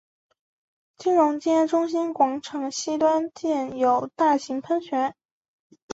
金融街中心广场西端建有大型喷泉。